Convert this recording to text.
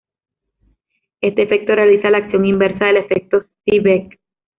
Este efecto realiza la acción inversa al efecto Seebeck.